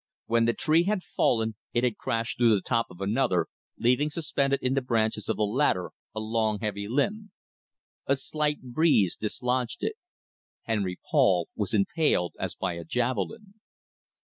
When the tree had fallen it had crashed through the top of another, leaving suspended in the branches of the latter a long heavy limb. A slight breeze dislodged it. Henry Paul was impaled as by a javelin.